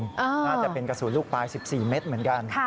น่าจะเป็นกระสุนลูกปลาย๑๔เมตรเหมือนกัน